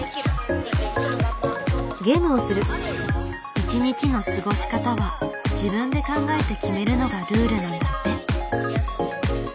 一日の過ごし方は自分で考えて決めるのがルールなんだって。